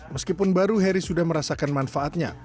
meskipun baru heri sudah merasakan manfaatnya